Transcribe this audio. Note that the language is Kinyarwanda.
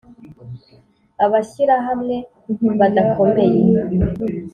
Abashyirahamwe badakomeye